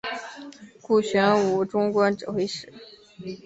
顾全武终官指挥使。